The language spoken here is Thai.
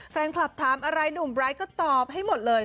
แฟนคลับถามอะไรหนุ่มไร้ก็ตอบให้หมดเลย